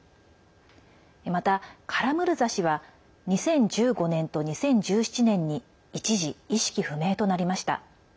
また、カラムルザ氏は２０１５年と２０１７年に一時、意識不明となりました。